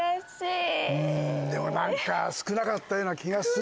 でも何か少なかったような気がするんだけど。